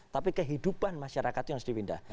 tapi kehidupan masyarakat itu yang harus dipindah